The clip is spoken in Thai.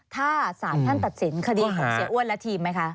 ถ้าสารท่านตัดสินคดีของเสียอ้วนและทีมไหมคะ